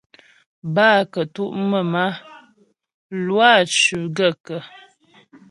Bə́ a kətʉ' mə̀m a, Lwâ cʉ́ gaə̂kə́ ?